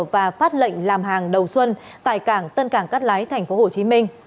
và phát lệnh làm hàng đầu xuân tại cảng tân cảng cát lái tp hcm